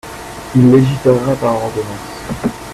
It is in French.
Il légiférera par ordonnance.